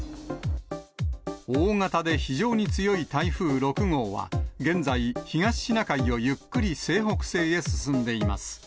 大型で非常に強い台風６号は、現在、東シナ海をゆっくり西北西へ進んでいます。